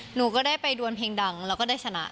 หนูก็ได้ไปดวนเพลงดังแล้วก็ได้ชนะ